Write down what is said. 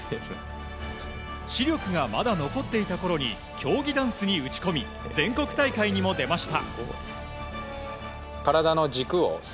視力がまだ残っていたころに競技ダンスに打ち込み全国大会にも出ました。